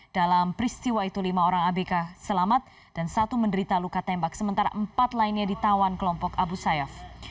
dalam peristiwa itu lima orang abk selamat dan satu menderita luka tembak sementara empat lainnya ditawan kelompok abu sayyaf